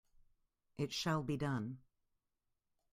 It shall be done!